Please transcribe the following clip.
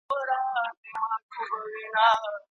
دا هغه خدمات دي چی په پیسو اخیستل کیږي.